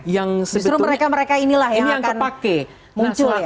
justru mereka mereka inilah yang akan muncul ya